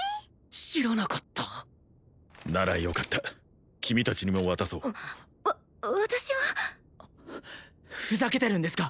知らなかったならよかった君達にも渡そうわ私はふざけてるんですか！